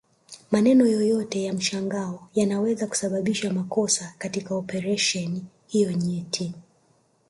Maneno yoyote ya mshangao yanaweza kusababisha makosa katika operesheni hiyo nyeti